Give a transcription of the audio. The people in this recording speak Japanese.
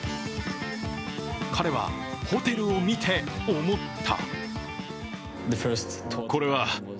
彼はホテルを見て思った。